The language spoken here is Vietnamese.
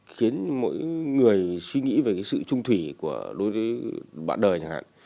khiến mỗi người suy nghĩ về cái sự trung thủy đối với bạn đời chẳng hạn